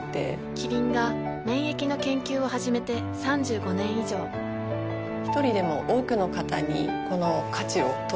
キリンが免疫の研究を始めて３５年以上一人でも多くの方にこの価値を届けていきたいと思っています。